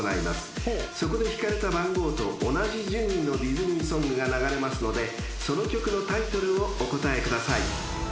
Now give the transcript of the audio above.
［そこで引かれた番号と同じ順位のディズニーソングが流れますのでその曲のタイトルをお答えください］